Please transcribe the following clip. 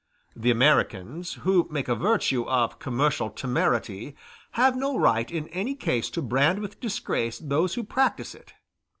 The Americans, who make a virtue of commercial temerity, have no right in any case to brand with disgrace those who practise it.